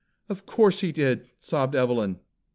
"Of course he did!" sobbed Evelyn.